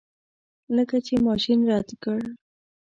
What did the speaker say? لکه چې ماشین رد کړ.